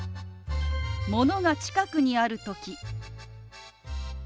ものが近くにある時。